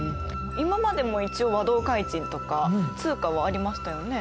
今までも一応和同開珎とか通貨はありましたよね。